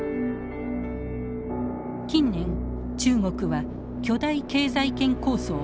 近年中国は巨大経済圏構想